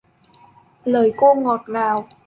Lời cô ngọt ngào